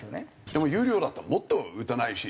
でも有料だったらもっと打たないし。